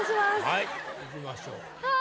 はいいきましょうああ